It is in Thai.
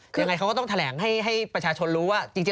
ยังไงเขาก็ต้องแถลงให้ประชาชนรู้ว่าจริง